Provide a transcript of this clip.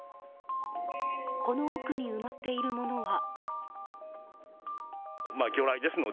この奥に埋まっているものは。